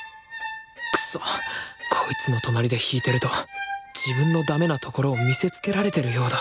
くそっこいつの隣で弾いてると自分のダメなところを見せつけられてるようだ